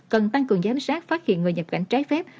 cần tăng cường giám sát phát hiện người nhập cảnh trái phép